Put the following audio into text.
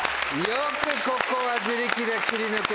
よくここは自力で切り抜けました。